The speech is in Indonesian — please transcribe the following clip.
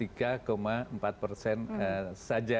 tiga empat persen saja